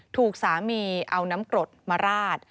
ถูกสามีเอาน้ำกรดมาราด